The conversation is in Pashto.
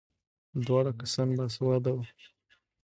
دواړه کسان باسواده وو.